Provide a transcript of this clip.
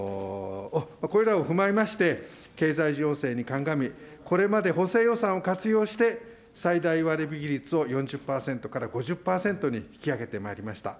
これらを踏まえまして、経済情勢に鑑み、これまで補正予算を活用して、最大割引率を４０％から５０％に引き上げてまいりました。